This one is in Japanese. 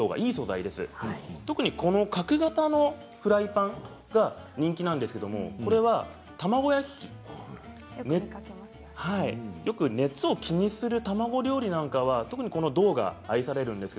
特に角型のフライパンが人気なんですがこれは卵焼き器よく熱を気にするたまに卵料理なんかは銅が愛されます。